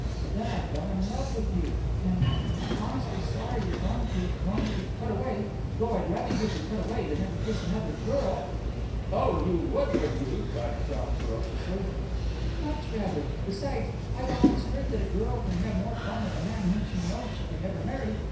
But then I fell in love with you, and and I'm honestly sorry you're going to going to be put away though I'd rather you'd be put away than ever kiss another girl." "Oh, you would, would you?" cried John ferociously. "Much rather. Besides, I've always heard that a girl can have more fun with a man whom she knows she can never marry.